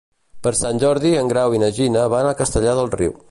Per Sant Jordi en Grau i na Gina van a Castellar del Riu.